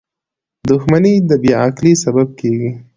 • دښمني د بې عقلی سبب کېږي.